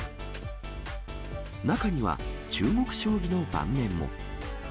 中には、中国将棋の盤面も。